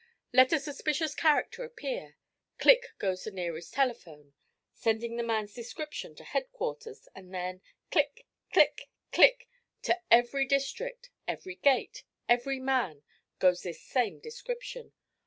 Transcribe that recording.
Let a suspicious character appear, click goes the nearest telephone, sending the man's description to headquarters, and then, click, click, click, to every district, every gate, every man, goes this same description.